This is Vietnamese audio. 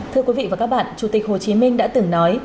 thưa quý vị và các bạn chủ tịch hồ chí minh đã từng nói